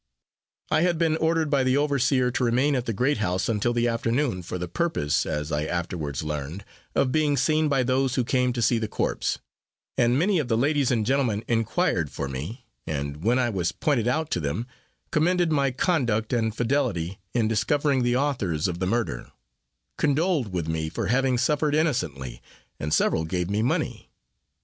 I had been ordered by the overseer to remain at the great house until the afternoon, for the purpose, as I afterwards learned, of being seen by those who came to see the corpse; and many of the ladies and gentlemen inquired for me, and when I was pointed out to them, commended my conduct and fidelity, in discovering the authors of the murder condoled with me for having suffered innocently, and several gave me money.